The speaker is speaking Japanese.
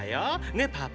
ねェパパ！